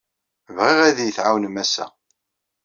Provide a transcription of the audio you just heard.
Bɣiɣ ad iyi-tɛawnem ass-a.